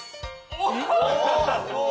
・おおすごい！